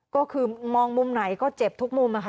ก็คือมองมุมไหนก็เจ็บทุกมุมค่ะ